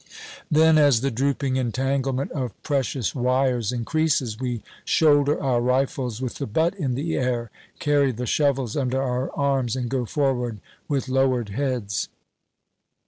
Then, as the drooping entanglement of precious wires increases, we shoulder our rifles with the butt in the air, carry the shovels under our arms, and go forward with lowered heads.